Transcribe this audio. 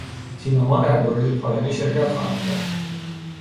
تیم ما در دورهی پایانی شرکت خواهدکرد.